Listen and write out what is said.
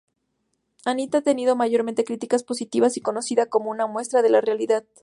Anita ha tenido mayormente críticas positivas y conocida como una muestra de la realidad.